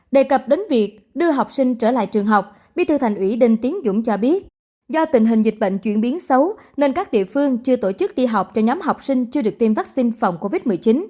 đề cập đến việc đưa học sinh trở lại trường học bí thư thành ủy đinh tiến dũng cho biết do tình hình dịch bệnh chuyển biến xấu nên các địa phương chưa tổ chức đi học cho nhóm học sinh chưa được tiêm vaccine phòng covid một mươi chín